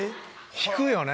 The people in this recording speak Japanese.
引くよね。